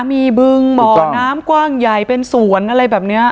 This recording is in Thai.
มีบึงบ่อน้ำกว้างใหญ่เป็นสวนอะไรแบบนี้